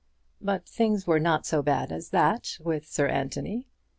But things were not so bad as that with Sir Anthony.